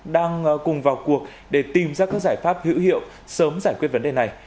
đang cùng vào cuộc để tìm ra các giải pháp hữu hiệu sớm giải quyết vấn đề này